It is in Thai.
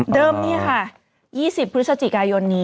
เดิมนี่ค่ะ๒๐พฤศจิกายน